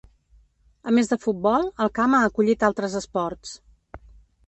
A més de futbol, el camp ha acollit altres esports.